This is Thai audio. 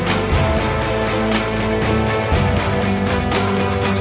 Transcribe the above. ด้วย